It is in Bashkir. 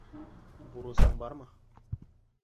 Бурысың бармы?